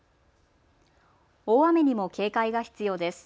大雨にも警戒が必要です。